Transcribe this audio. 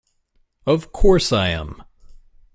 Of course I am!